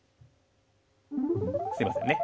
すいませんね。